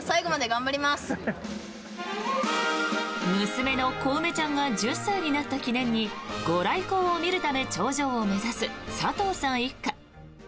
娘のこうめちゃんが１０歳になった記念にご来光を見るため頂上を目指す佐藤さん一家。